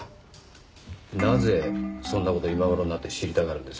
なぜそんな事今頃になって知りたがるんです？